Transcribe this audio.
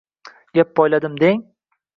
Gap poyladim deng